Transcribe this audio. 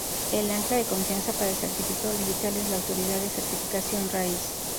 El ancla de confianza para el certificado digital es la "autoridad de certificación raíz".